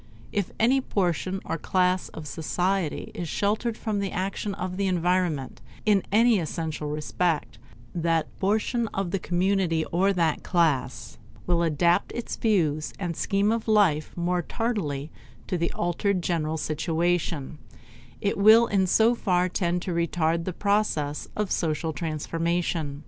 If any portion or class of society is sheltered from the action of the environment in any essential respect, that portion of the community, or that class, will adapt its views and its scheme of life more tardily to the altered general situation; it will in so far tend to retard the process of social transformation.